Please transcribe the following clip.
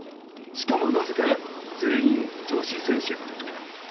しかも、なぜか全員、女子選手。